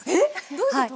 どういうこと？